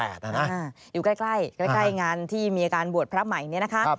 อยู่ใกล้ใกล้งานที่มีอาการบวชพระใหม่นี้นะคะ